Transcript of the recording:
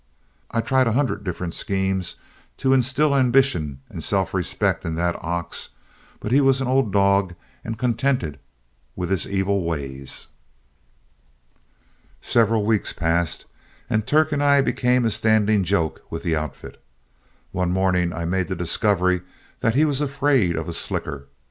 I tried a hundred different schemes to instill ambition and self respect into that ox, but he was an old dog and contented with his evil ways. "Several weeks passed, and Turk and I became a standing joke with the outfit. One morning I made the discovery that he was afraid of a slicker.